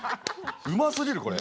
うますぎるこれ。